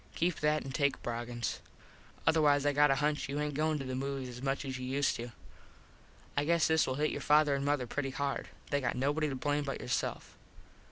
Keep that and take Broggins. Otherwise I got a hunch you aint goin to the movies as much as you used to. I guess this will hit your father an mother pretty hard. They got nobody to blame but yourself.